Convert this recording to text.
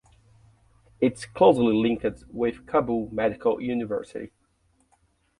It is closely linked with Kabul Medical University.